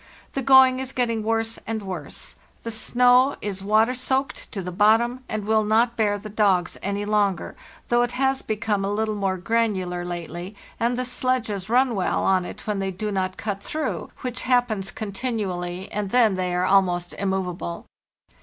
The going is getting worse and worse. The snow is water soaked to the bottom, and will not bear the dogs any longer, though it has become a little more granular lately, and the sledges run well on it when they do not cut through, which happens continu BY SLEDGE AND KAYAK 259 ally, and then they are almost immovable.